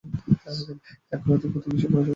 এই আগ্রহ থেকেই ওদের বিষয়ে পড়াশোনা করেছি।